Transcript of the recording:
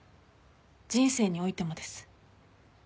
人生においてもです。